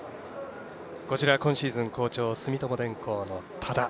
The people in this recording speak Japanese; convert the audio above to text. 今シーズン好調住友電工の多田。